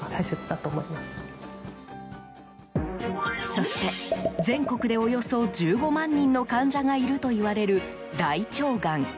そして、全国でおよそ１５万人の患者がいるといわれる大腸がん。